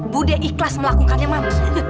budae ikhlas melakukannya man